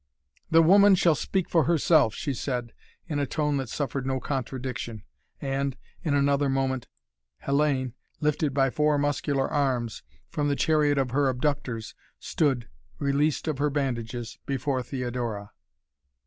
"The woman shall speak for herself," she said in a tone that suffered no contradiction and, in another moment, Hellayne, lifted by four muscular arms from the chariot of her abductors, stood, released of her bandages, before Theodora.